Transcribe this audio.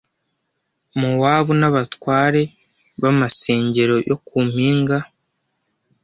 Mowabu N abatware b’ amasengero yo ku mpinga